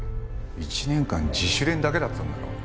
１年間自主練だけだったんだろ？